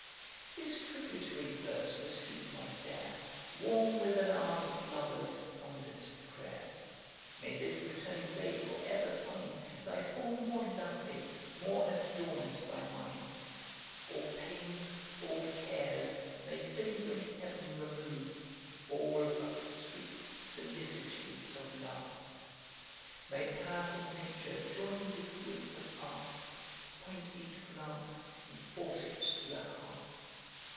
This tributary verse receive my fair, Warm with an ardent lover's fondest pray'r. May this returning day for ever find Thy form more lovely, more adorn'd thy mind; All pains, all cares, may favouring heav'n remove, All but the sweet solicitudes of love! May powerful nature join with grateful art, To point each glance, and force it to the heart!